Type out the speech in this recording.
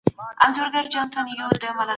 افغان ډاکټران د وینا بشپړه ازادي نه لري.